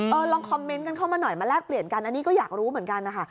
ลองคอมเมนต์กันเข้ามาหน่อยมาแลกเปลี่ยนกันอันนี้ก็อยากรู้เหมือนกันนะคะ